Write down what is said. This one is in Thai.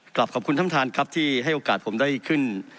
กลับขอบคุณท่านประธานครับที่ให้โอกาสผมได้ขึ้น